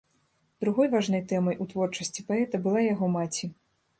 Другой важнай тэмай у творчасці паэта была яго маці.